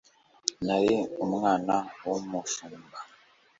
nari umwana wumushumba